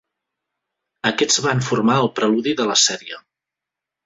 Aquests van formar el preludi de la sèrie.